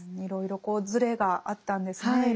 いろいろこうズレがあったんですね